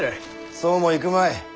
そうもいくまい。